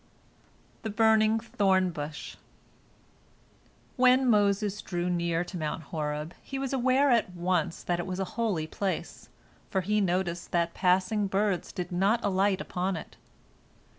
THE BURNING THORN BUSH When Moses drew near to Mount Horeb, he was aware at once that it was a holy place, for he noticed that passing birds did not alight upon it.